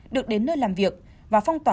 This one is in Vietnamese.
được đến nơi làm việc và phong tỏa